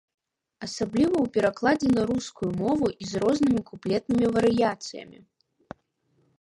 Асабліва ў перакладзе на рускую мову і з рознымі куплетнымі варыяцыямі.